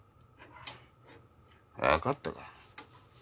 わかったか。